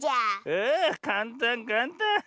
ああかんたんかんたん。